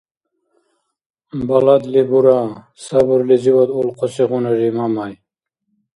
— Баладли бура! — сабурлизивад улхъусигъунари Мамай.